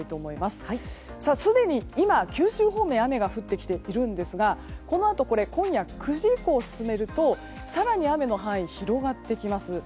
すでに今、九州方面で雨が降ってきているんですがこのあと、今夜９時以降に進めると更に雨の範囲が広がってきます。